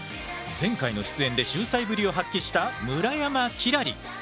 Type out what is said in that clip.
前回の出演で秀才ぶりを発揮した村山輝星。